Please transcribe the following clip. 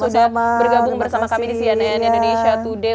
sudah bergabung bersama kami di cnn indonesia today